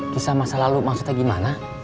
kisah masa lalu maksudnya gimana